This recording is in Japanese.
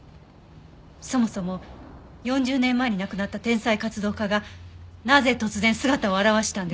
そもそも４０年前に亡くなった天才活動家がなぜ突然姿を現したんです？